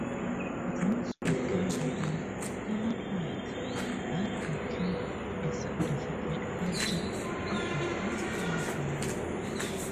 Thus began the stalemate that became a significant feature of the First World War.